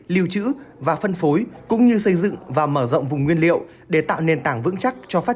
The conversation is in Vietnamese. lưu trữ và phân phối cũng như xây dựng và mở rộng vùng nguyên liệu để tạo nền tảng vững chắc cho phát